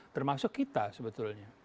termasuk kita sebetulnya